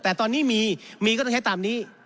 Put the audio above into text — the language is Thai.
แต่ตอนนี้มีมีก็ต้องใช้ตามนี้